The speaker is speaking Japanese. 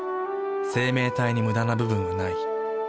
生命体にムダな部分はない。